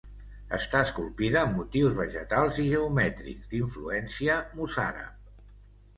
Està esculpida amb motius vegetals i geomètrics d'influència mossàrab.